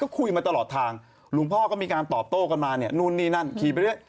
คุยมาตลอดทางหลวงพ่อก็มีการตอบโต้กันมาเนี่ยนู่นนี่นั่นขี่ไปเรื่อย